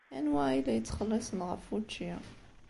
Anwa ay la yettxelliṣen ɣef wučči?